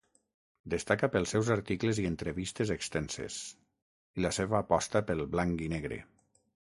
Destaca pels seus articles i entrevistes extenses, i la seva aposta pel blanc i negre.